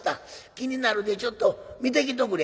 気になるでちょっと見てきとくれ」。